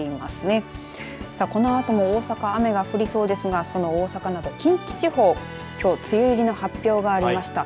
このあとも大阪雨が降りそうですがその大阪の近畿地方梅雨入りが発表されました。